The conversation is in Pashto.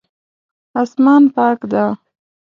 اسمان پاک ده